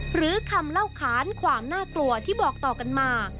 หรือคำเล่าขานความน่ากลัวที่บอกต่อกันมา